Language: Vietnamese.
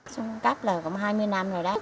xuống cấp là khoảng hai mươi năm rồi đó